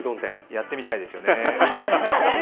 やってみたいですよね。